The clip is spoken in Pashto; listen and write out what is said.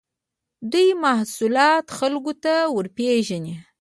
دوی محصولات خلکو ته ورپېژني.